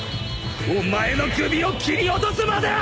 お前の首を斬り落とすまでは！！